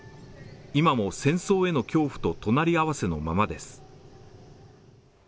今も戦争への恐怖と隣り合わせのままです。